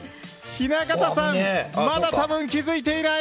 雛形さんはまだ多分気づいていない！